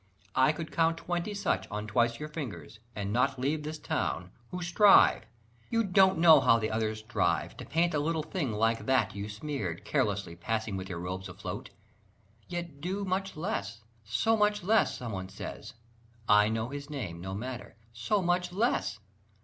I could count twenty such On twice your fingers, and not leave this town, Who strive you don't know how the others strive To paint a little thing like that you smeared Carelessly passing with your robes afloat, Yet do much less, so much less, Someone says, (I know his name, no matter) so much less!